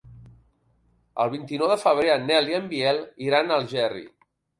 El vint-i-nou de febrer en Nel i en Biel iran a Algerri.